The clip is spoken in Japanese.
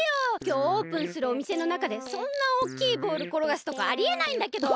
きょうオープンするおみせのなかでそんなおおきいボールころがすとかありえないんだけど。